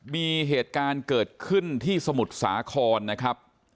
มีเหตุการณ์เกิดขึ้นที่สมุทรสาครนะครับ